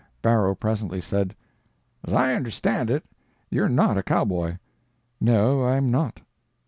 Barrow presently said: "As I understand it, you're not a cowboy." "No, I'm not."